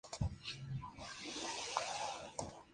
El combate fue especialmente duro.